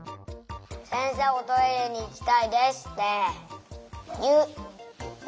せんせいおトイレにいきたいですっていう！